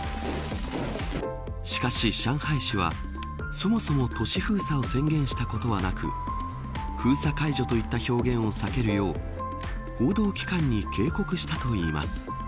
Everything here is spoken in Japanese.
しかし上海市はそもそも都市封鎖を宣言したことはなく封鎖解除といった表現を避けるよう報道機関に警告したといいます。